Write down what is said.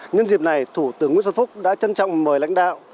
nhân dịp này thủ tướng nguyễn xuân phúc đã trân trọng mời lãnh đạo